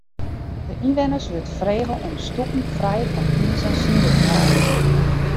De ynwenners wurdt frege om stoepen frij fan iis en snie te hâlden.